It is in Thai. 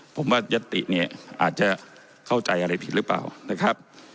ผมว่ายัตติอาจจะเข้าใจอะไรผิดหรือเปล่า